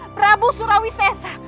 prabu surawi sesa